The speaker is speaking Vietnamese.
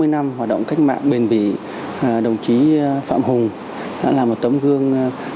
sáu mươi năm hoạt động cách mạng bền bỉ đồng chí phạm hùng đã là một tấm gương